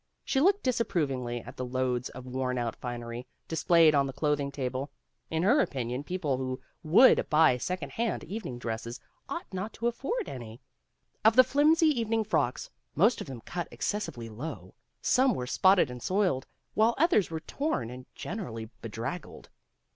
She looked disapprovingly at the loads of worn out finery, displayed on the clothing table. In her opinion people who would buy second hand evening dresses ought not to afford any. Of the flimsy evening frocks, most of them cut excessively low, some were spotted and soiled, while others were torn and generally bedraggled.